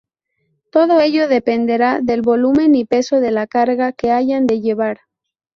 Todo ello dependerá del volumen y peso de la carga que hayan de llevar.